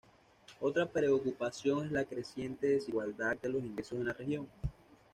Otra preocupación es la creciente desigualdad de los ingresos en la región.